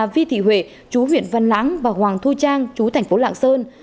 vi thị huệ chú huyện văn lãng và hoàng thu trang chú thành phố lạng sơn